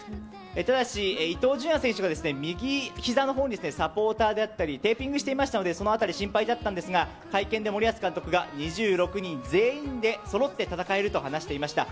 ただし、伊東純也選手が右ひざのほうにサポーターであったりテーピングしていたのでその辺り心配だったんですが会見で森保監督が２６人全員でそろって戦えると話していました。